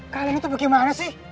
kalian itu bagaimana sih